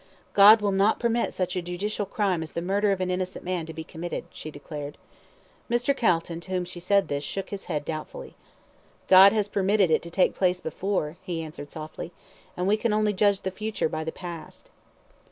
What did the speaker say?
"God will not permit such a judicial crime as the murder of an innocent man to be committed," she declared. Mr. Calton, to whom she said this, shook his head doubtfully. "God has permitted it to take place before," he answered softly; "and we can only judge the future by the past."